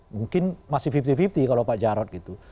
mungkin masih lima puluh lima puluh kalau pak jarod gitu